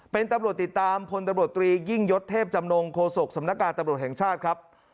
เป็นตำรวจติดตามพลตำรวจตรียิ่งยศเทพจำนงโฆษกสำนักการตำรวจแห่งชาติครับ